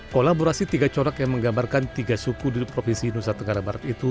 kolaborasi tiga corak yang menggambarkan tiga suku di provinsi nusa tenggara barat itu